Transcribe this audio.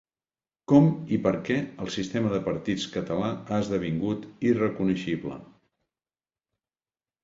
Com i per què el sistema de partits català ha esdevingut irreconeixible.